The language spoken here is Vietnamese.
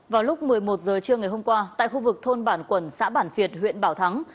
vào lúc một mươi một h trưa ngày hôm qua tại khu vực thôn bản quẩn xã bản việt huyện bảo thắng